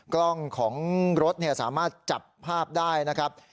กล้องของรถสามารถจับภาพได้นะครับ